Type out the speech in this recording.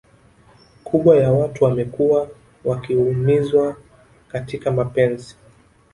kubwa ya watu wamekua wakiumizwa katika mapenzi